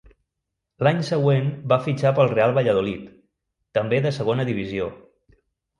L'any següent va fitxar pel Real Valladolid, també de Segona Divisió.